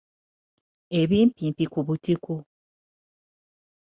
Ebimpimpi ku butiko.